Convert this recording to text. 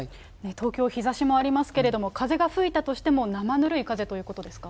東京、日ざしもありますけれども、風が吹いたとしてもなまぬるい風ということですか？